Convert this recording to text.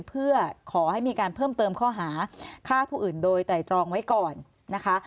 เพื่อขอให้มีการเพิ่มเติมข้อหาฆ่าผู้อื่นโดยไตรตรองไว้ก่อนนะคะ